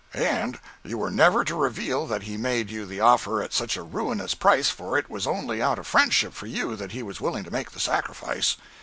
And you were never to reveal that he had made you the offer at such a ruinous price, for it was only out of friendship for you that he was willing to make the sacrifice.